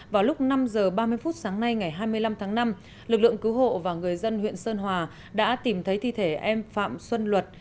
vào lúc năm h ba mươi phút sáng nay ngày hai mươi năm tháng năm lực lượng cứu hộ và người dân huyện sơn hòa đã tìm thấy thi thể em phạm xuân luật